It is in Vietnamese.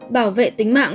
bảo vệ tính mạng